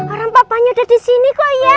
orang papanya ada di sini kok ya